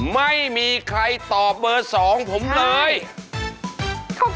ไม่มีใครตอบเบอร์สองผมหน่อยใช่